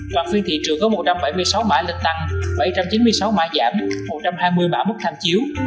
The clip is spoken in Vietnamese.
toàn phiên thị trường có một trăm bảy mươi sáu mã lịch tăng bảy trăm chín mươi sáu mã giảm một trăm hai mươi mã mức tham chiếu